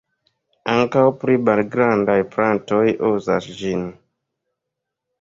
Ankaŭ pli malgrandaj plantoj uzas ĝin.